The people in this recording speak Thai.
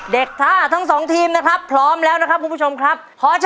ท่าทั้งสองทีมนะครับพร้อมแล้วนะครับคุณผู้ชมครับ